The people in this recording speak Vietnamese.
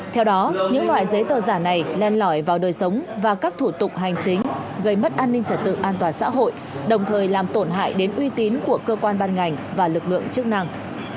theo đó những loại giấy tờ giả này len lỏi vào đời sống và các thủ tục hành chính gây mất an ninh trật tự an toàn xã hội đồng thời làm tổn hại đến uy tín của cơ quan ban ngành và lực lượng chức năng